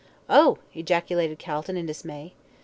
"Oh!" ejaculated Calton, in dismay.